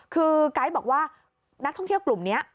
คือไก๊บอกว่านักท่องเที่ยวกลุ่มนี้